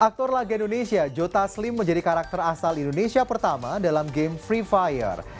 aktor laga indonesia jota slim menjadi karakter asal indonesia pertama dalam game free fire